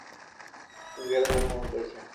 তিনি বিহারে জন্ম গ্রহণ করেছেন।